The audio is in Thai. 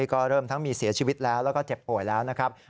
ก็เริ่มทั้งมีเสียชีวิตแล้วแล้วก็เจ็บป่วยแล้วนะครับ